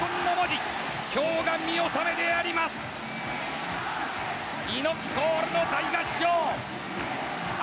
猪木コールの大合唱。